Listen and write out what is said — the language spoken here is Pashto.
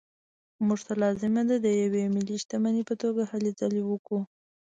موږ ته لازمه ده د یوې ملي شتمنۍ په توګه هلې ځلې وکړو.